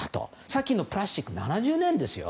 さっきのプラスチック７０年ですよ。